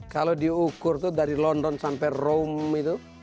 kalau diukur tuh dari london sampai rome itu